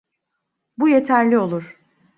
Bu yeterli olur.